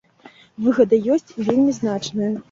Выгада ёсць, і вельмі значная.